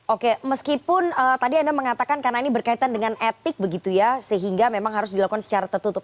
oke meskipun tadi anda mengatakan karena ini berkaitan dengan etik begitu ya sehingga memang harus dilakukan secara tertutup